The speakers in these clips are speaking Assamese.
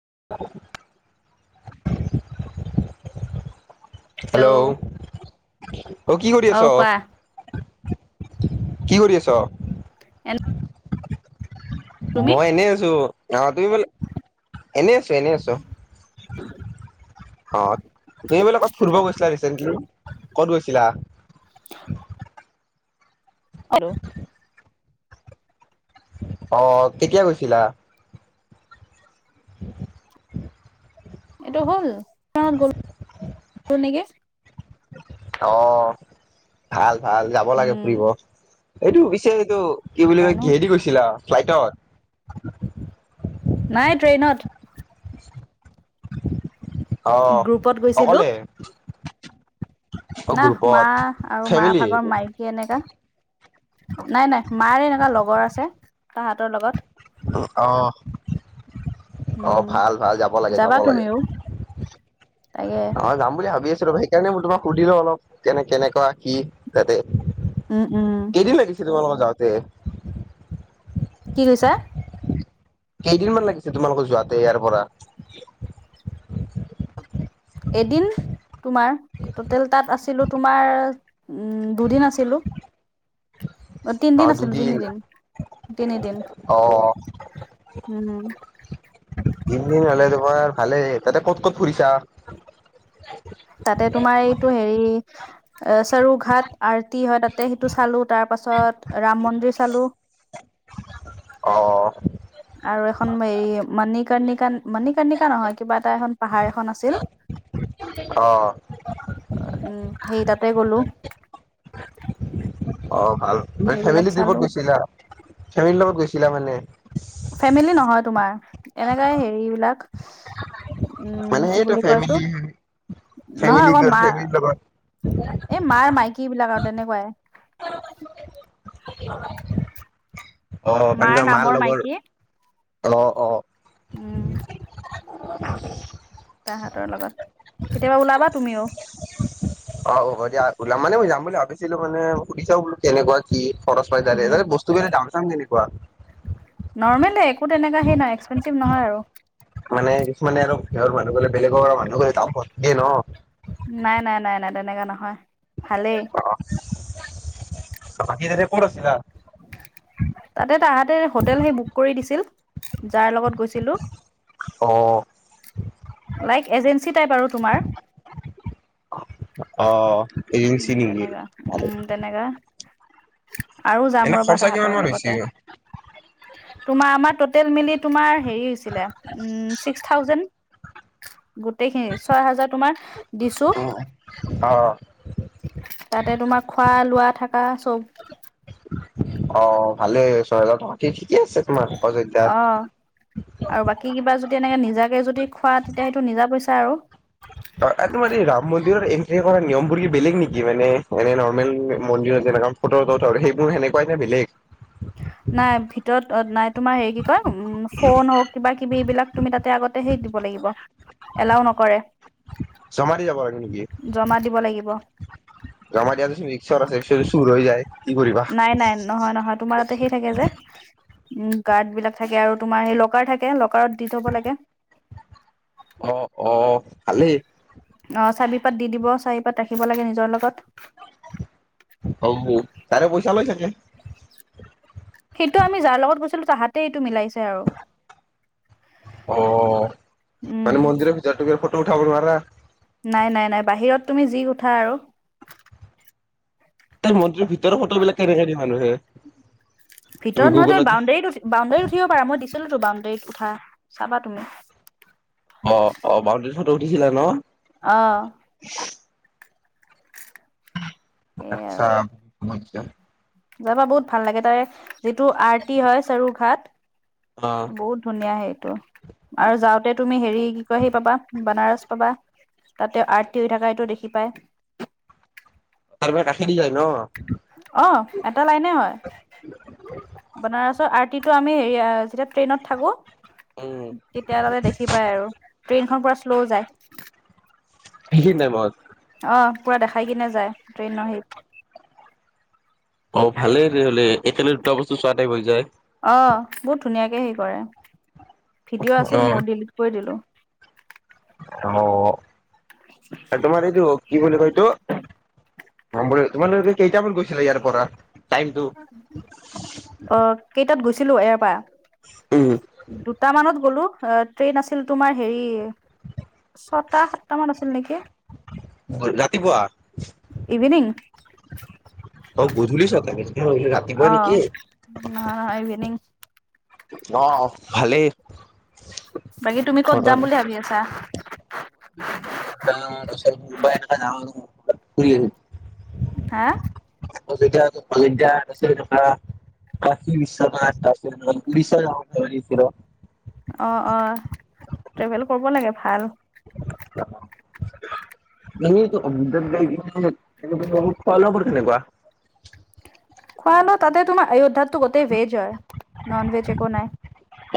[unintelligible] হেল্ল' অ' কি কৰি আছ্। কি কৰি আছ? এ তুমি মই এনে আছো। অ 'তুমি বোলে এনে আছো। এনে আছো অ' তুমি বোলে কত ফুৰিব গৈছিলা। [unintelligible] ক'ত গৈছিলা। আৰু। অ কেতিয়া গৈছিলা। [unintelligible] এইটো হ'ল গ'ল নেকি। অ ভাল ভাল যাব লাগে উম ফুৰিব এইটো পিছে এইটো। কি বুলি কয় জানো কিহেদি গৈছিলা ফ্লাইটত। নাই ট্ৰেইনত। অ' গ্ৰুপত অকলে। অ নাহ মা গ্ৰুপত আৰু মা ফেমিলি ভাগৰ মাইকী এনেকা। নাই নাই মাৰ এনেকুৱা লগৰ আছে তাহঁতৰ লগত। অ' উম অ' ভাল ভাল যাব লাগে, যাবা যাব লাগে তুমিও তাকে অ' যাম বুলি ভাবি আছো। সেইকাৰণে মই তোমাক সুধিলো অলপ কেনে কেনেুৱা কি তাতে। উম, উম। তোমাৰ লগত যাওঁতে। কি কৈছা। কেইদিনমান লাগিছে তোমালোকৰ যোৱাতে ইয়াৰ পৰা। এদিন তোমাৰ ট'টেল তাত আছিলো তোমাৰ উম, দুদিন আছিলো। অ' তিনদিন আছিলো তিনিদিন তিনিদিন অ' উম। তিনদিন হলে তোমাৰ ভালেই। তাতে ক'ত ক'ত ফুৰিছা? তাতে তোমাৰ এইটো হেৰি চৰু ঘাট আৰটি হয় তাতে সেইটো চালো তাৰ তাৰপাছত ৰাম মন্দিৰ চালোঁ। অ'। আৰু এখন এই মানিক। কৰ্নিকা মণিকৰ্নিকা নহয় কিবা এটা এখন পাহাৰ এখন আছিল। উ, অ' সেই তাতে গলো। অ' ভাল তুমি সেইবিলাক চালো ফেমেলীট্ৰীপত গৈছিলা। ফেমেলী লগত গৈছিলা মানে। ফেমিলি নহয় তোমাৰ এনেকাই হেৰিবলাক উম, মানে কি সেইটো বুলি এইটো ফেমিলি ফেমিলি নহয় আকৌ গ'ল মা ফেমিলিৰ লগত এই মাৰ মাইকী বিলাক আৰু তেনেকুৱাই। অ'তেন্তে মাৰ নামৰ লগৰ মাইকী অ 'অ'। উম। [inaudible] তাহাঁতৰ লগত কেতিয়াবা ওলাবা তুমিও। অ' হ'ব দিয়া ওলাম মানে মই যাম বুলি ভাবিছিলো মানে সুধিছাও বোলো কেনেকুৱা কি। খৰচ পাই যায় যে উম তাতে বস্তুৰ বিলাক দাম চাম কেনেকুৱা? নৰ্মলে একো তেনেকুৱা সেই নাই এক্সপেঞ্চিভ নহয় আৰু। মানে কিছুমানে আৰু সেৰ মানুহ গলে বেলেগৰ মানুহ গলে [unintelligible] নাই, নাই, নাই, নাই তেনেকা নহয়। ভালেই অ'বাকি তাতে ক'ত আছিলা? তাতে তাহাঁতে হোটেল সেই বুক কৰি দিছিল। যাৰ লগত গৈছিলোঁ। অ' লাইক এজেঞ্চি টাইপ আৰু তোমাৰ। অ এজেঞ্চি উম নেকি তেনেকা ভালে উম তেনেকা। আৰু যাম এনে ৰ'বা খৰচা কিমান তাহাঁতৰ মান হৈছে? লগতে। তোমাৰ আমাৰ ট'টেল মেলি তোমাৰ হেৰি হৈছিলে, ছিক্স থাউজেণ্ড। গোটেইখিনি, ছয় হাজাৰ তোমাৰ দিছো ও'ও' অ'অ' তাতে তোমাৰ খোৱা লোৱা থাকা চব। অ' ভালে ছয় হেজাৰ টকা ঠিক কিঞ্চিত মানো অযোধ্যাত। অ আৰু বাকী কিবা যদি এনেকে নিজাকে যদি খোৱা তেতিয়া সেইটো নিজা পইচা আৰু। তোমাৰ এই ৰাম মন্দিৰত এন্ট্ৰি কৰা নিয়মবোৰ কি বেলেগ নেকি মানে এনে নৰ্মেল মন্দিৰত তেনেকুৱা ফটোত আৰু সেইবোৰ সনেকুৱাই নে বেলেগ। নাই ভিতৰত নাই তোমাৰ হেৰি কি কয় উম ফোন হওক কিবা কিবি বিলাক তুমি তাতে আগতেহে সেই দিব লাগিব এলাও নকৰে। চমাৰি যাব লাগিব নেকি। জমা দিব লাগিব জমা দিয়া পিছত ৰিক্সৰ আছে, যদি চুৰ হৈ যায়। কি কৰিবা? নাই নাই নহয় নহয় তোমাৰ তাতে সেই থাকে যে। উম গাৰ্ড বিলাক থাকে আৰু তোমাৰ সেই লকাৰ থাকে। ল কাৰত দি থ'ব লাগে। খালী অ' চাৰিপাত দি দিব, চাৰিপাত ৰাখিব লাগে নিজৰ লগত। অ তাৰে পইচা লৈ থাকে। সেইটো আমি যাৰ লগত গৈছিলো তাহাতে এইটো মিলাইছে। আৰু অ' উম মানে মন্দিৰ ভিতাৰতো ফ টো উঠাব নোৱাৰা। নাই নাই নাই বাহিৰত তুমি যি উঠা আৰু তাৰ মন্দিৰৰ ভিতৰৰ ফটোবলাক কেনেকে দিয়ে মানুহে। তুমি ভিতৰত নহয় তই গুগলত বাউণ্ডাৰীত উ বাউণ্ডাৰীত উঠিব পাৰ, মই দিছিলো বাউণ্ডাৰীটোত উঠা, চাবা তুমি। অ' অ' বাউণ্ডীত ফটো উঠিছিলা ন। অ' এই আৰু আচ্ছা, মই যেতিয়া যাবা বহুত ভাল লাগে, তাৰে যিটো আৰটি হয় চাৰুৰ ঘাট অ বহুত ধুনীয়া সেইটো আৰু, যাওঁতে তুমি হেৰি কি কয় আহি পাবা বনাৰস। পাবা তাতে আৰ্তি হৈ থকা এইটো দেখি পায়। তাৰবাৰ কাষে দি যায় অ', ন। এটা লাইনে হয়। বনাৰসৰ আৰটিটো আমি হেৰি যেতিয়া ট্ৰেইনত থাকো উম তেতিয়া তাতে দেখি পায় আৰু, ট্ৰেইনখন পুৰা শ্ল' যায়। সেই খিনিতে মত অ', পুৰা দেখাই কিনে যায় ট্ৰেইন হেৰিত। অ' ভালেই দে হলে একেলগে দুটা বস্তু চোৱাটে হৈ যায়। অ', বহুত ধুনীয়াকে হে কৰে, ভিডিঅ' অ আছিল মোৰ ডিলিট কৰি দিলো। অ' আৰু তোমাৰ এইটো কি বুলি কয়টো। বুলি তোমালোকে কেইটামানত গৈছিলা ইয়াৰ পৰা। টাইমটো অ' কেইটাত গৈছো। ছিলো এয়াৰ পৰা, উম দুট মানত গলো। ট্ৰেইন আছিল তোমাৰ হেৰি ছয়টা সাতটা মান আছিল নেকি। গ'ল ৰাতিপুৱা। ইভিনিং অ' গধূলিছ ছাগে মই ভাবিছিলো ৰাতিুপুৱা অ', নেকি। নহয় নহয় ইভিনিং অ' ভালেই। বাকী তুমি কত যাম বুলি ভাবি আছা যৰি হা তিয়া প দয়া থ [unintelligible] কাশ্মীৰ বিশ্ব মানতাৰপিছত উৰিষ্যা হওঁক অহ অহ ট্ৰেভেল কৰিব লাগে ভাল। [unintelligible] এনেকুৱা। খোৱা-লোৱা তাতে, তোমাৰ অয়োধ্যাতো গোটেই ভেজ হয়। ন'ন ভেজ একো নাই।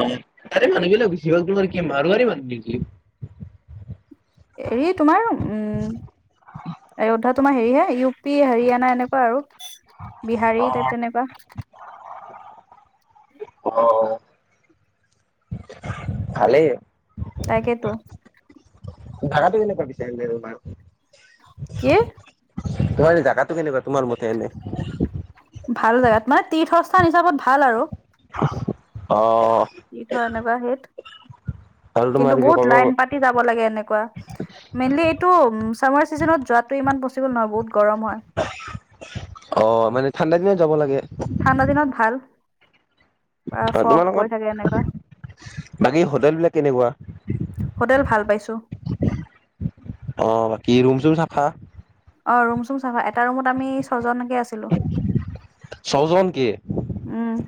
অ তাৰে মানুহবিলাক বেছি হল তোমাৰ কি মাৰোৱাৰী মানুহ নেকি। হেৰি তোমাৰ, উম অয়োধ্যা তোমাৰ হেৰি হে, ইউ পি হাৰিয়ানা এনেকুৱা আৰু। বি বিহাৰী টাইপ তেনেকুৱা। অহ। ভালেই। তাকেতো। ভাড়াটো কেনেকুৱা পিছে যে তোমাৰ। কি। তোমাৰ এই জাগাটো কেনেকুৱা তোমাৰ মতে এনে। ভাল জেগাত মানে তীৰ্থস্থান হিচাপত ভাল আৰু। অহ অ। তীৰ্থ এনেকুৱা হেৰিত। আৰু কিন্তু তোমাৰ কি বহুত ক'ব লাইন পাতি যাব লাগে এনেকুৱা মেইনলি এইটো‌ উম। চামাৰ চিজনত যোৱাটো ইমান পচিব নহব বহুত। গৰম হয় অহ মানে ঠাণ্ডা দিনত যাব লাগে। ঠাণ্ডা দিনত ভাল বা অ', ফগ তোমালোকত পৰি থাকে এনেকুৱা। বাকী হোটেল বিলাক কেনেকুৱা হোটেল ভাল পাইছো ঠিকেই। অহ বাকী ৰুম সোম চাফা। অহ ৰুম সোম চাফা এটা ৰুমত আমি ছয়জন। কে আছিলোঁ ছজন কি? উম।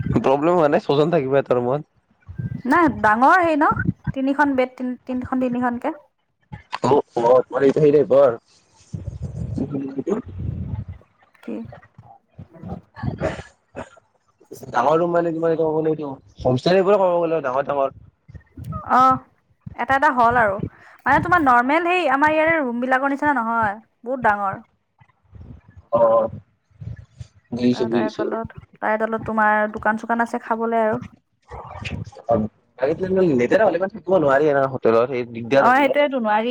প্ৰব্লেম হোৱা নাই ছয়জন থাকিবা এটা ৰুমত। নাই ডাঙৰ হেৰি ন তিনিখন বেত তি তিনিখন তিনিখনকে। মত মৰি থাই ৰ ঘ কি? ডাঙৰ ৰুম মানে কি কমাবটো হম কাব গ ডাঙৰ-ডাঙৰ আহ, এটা এটা হল আৰু মানে তোমাৰ নৰ্মেল সেই আমাৰ ইয়াৰে ৰুম বিলাকৰ নিচিনা নহয় বহুত ডাঙৰ [inaudible] অ, বুজিছো আহ তাই বুজিছো তলত তাইৰ তলত তোমাৰ দোকান-চোকান আছে খাবলে আৰু তি সেই হলে ইমান লেতেৰা থাকিব নোৱাৰে ন তলৰ সেই দিগদাৰ অ এইবিলাক সেইটোয়েতো নোৱাৰি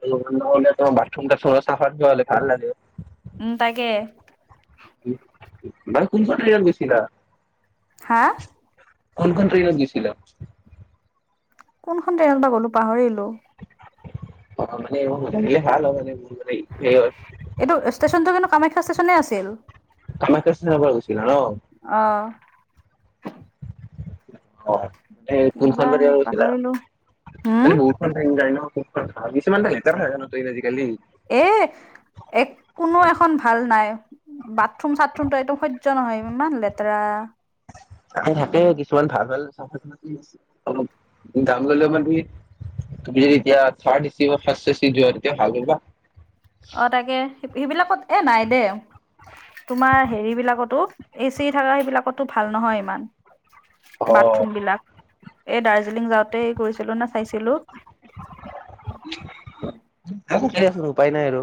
তোমাৰ বাথৰুমটা চাফা হ'লে ভাল লাগে। উম, তাকে বাই কোনখন তালান গৈছিলা? হা, কোন খন ট্ৰেইনত গৈছিলো? কোনখন ষ্টেইনত গ'লো পাহৰিলো? অ, মানে ম লাকিলে ভাল মানে ম স এইটো ষ্টেচনটো কিন্তু কামাখ্যা ষ্টেচনে আছিল। কামাখ্যা ষ্টেনে [unintelligible] অ অ এ কিবা কোনখন [unintelligible] হেইত গৈছিলা পাহৰিলো হুম মানে বহুতখন চাগে যায় ন [unintelligible] তই আজিকা এ এক কোনো এখন ভাল নাই বাথৰুম চাথৰুমটো একদম সহ্য নহয়। উমান লেতেৰা। তাকে থাকে কিছুমান ভাল ভাল চফ অলপ গামগল মান তুমি যে এতিয়া থডি বা ফ এ যোৱা এতিয়া ভাল বা [inaudible] অ, তাকে সেইবিলাকত এ নাই দেই তোমাৰ হেৰি বিলাকতো এচি থকা সেইবিলাকতো ভাল নহয় ইমান অ', বাথৰুম বিলাক এই দাৰ্জিলিং যাওঁতে কৰিছিলো নে চাইছিলো [unintelligible] উপায় নাই আৰু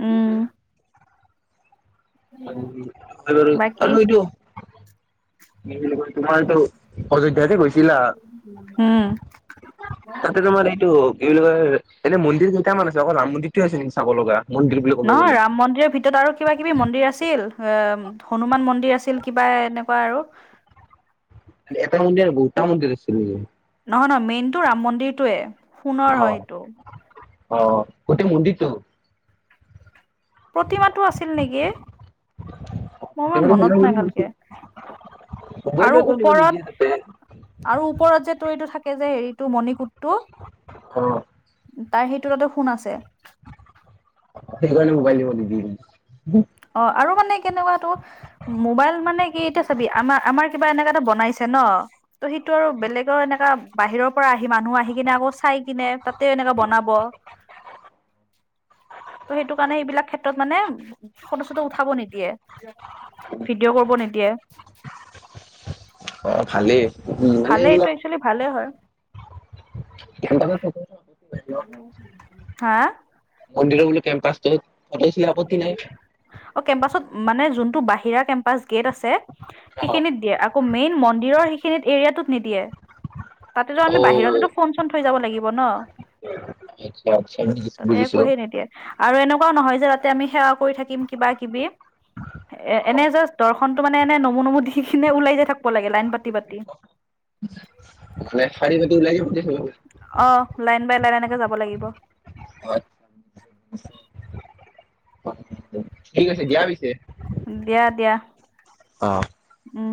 উম। আৰু আৰু, বাকী আৰু এইটো তোমাৰটো অযোধ্যাতে গৈছ চিলা উম ত'তে তোমাৰ এইটো এইবিলাক এনে মন্দিৰ কেইটামান আছে কল ৰাম মন্দিৰ টোৱে আছে নেকি চাব লগা? মন্দিৰ বুলি ক'ব নহয় গ'লে? ৰাম মন্দিৰৰ ভিতৰত আৰু কিবা কিবি মন্দিৰ আছিল এ হনুমান মন্দিৰ আছিল, কিবা এ এনেকুৱা আৰু এটা মন্দিৰ আৰু বহুতটা মন্দিৰ আছিল যে নহয় নহয় মেইনতটো ৰাম মন্দিৰটোয়ে, সোণৰ হয় সেইটো অঁ গোটেই মন্দিৰটো? প্ৰতিমাতো আছিল নেকি, মোই ইমান মনত নাই ভালকে মোবাইল আৰু লাগিব নিদিয়ে ওপৰত তাতে আৰু ওপৰত যে তোৰ এইটো থাক সেই যে হেৰিটো মণিকুটটো অ', তাৰ সেইটো তাতে সোণ আছে। সেইকাৰণে মোবাইল দিব নিদি অ, আৰু মানে কেনেকুৱাটো মোবাইল মানে কি এতিয়া চাবি আমাৰ আমাৰ কিবা এনেকা এটা বনাইছে ন? ত সেইটো আৰু বেলেগৰ এনেকা বাহিৰৰ পৰা আ আহি মানুহ আহি কিনে আকৌ চাই কিনে তাতে এনেকা বনাব। ত' সেইটো কাৰণে এইবিলাক ক্ষেত্ৰত মানে ও ফটো চটো উঠাব নিদিয়ে। ভিডিঅ' কৰিব নিদিয়ে। অঁ, খালি? ভালেই এইটো একচুৱেলি ভালে হয়। এ [unintelligible] হা। মন্দিৰৰ বুলো কম্পছটোত, ফটো ওঠিলে আপত্তি নাই। অ' কেম্পাচত মানে যোনটো বাহিৰা কেম্পাচ গেট আছে সেইখিনিত দিয়ে। আ আকৌ মেইন মন্দিৰৰ সেইখিনিত এৰিয়াটোত নিদিয়ে। তাতেতো আমি অ বাহিৰতেতো ফোন চোন থৈ যাব লাগিব ন। আচ্ছা আচ্ছা বুজিছো তাতে একো বুজিছো। হেই নিদিয়ে। আৰু এনেকুৱাও নহয় যে তাতে আমি সেৱা কৰি থাকিম কিবা-কিবি এ এনে জাষ্ট দ ৰ্শনটো মানে এনে নমু নমু দি কিনে ওলাই যাই থাকব লাগে লাইন পাতি পাতি। মানে শাৰী পাতি ওলাই যাব লাগিব। অ লাইন বাই লাইন এনেকে যাব লাগিব। আত [inaudible] ঠিক আছে দিয়া পিছে। দিয়া দিয়া। অ'। উম